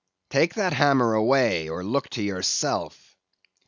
Take that hammer away, or look to yourself.